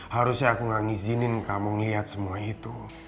harusnya aku gak ngizinin kamu ngeliat semua itu